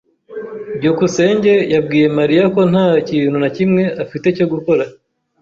byukusenge yabwiye Mariya ko nta kintu na kimwe afite cyo gukora.